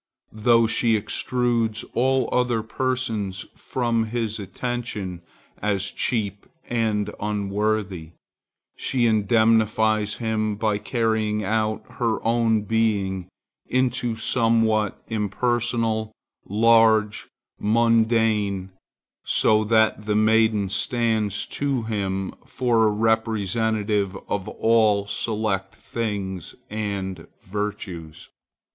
Though she extrudes all other persons from his attention as cheap and unworthy, she indemnifies him by carrying out her own being into somewhat impersonal, large, mundane, so that the maiden stands to him for a representative of all select things and virtues.